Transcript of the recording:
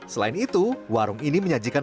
selain itu warung ini menyajikan